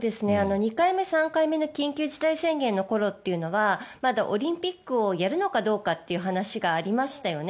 ２回目、３回目の緊急事態宣言の頃というのはまだオリンピックをやるのかどうかという話がありましたよね。